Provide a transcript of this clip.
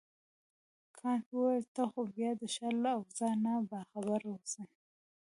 کانت وویل ته خو باید د ښار له اوضاع نه باخبره اوسې.